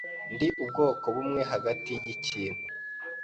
Ndi ubwoko bumwe hagati yikintu.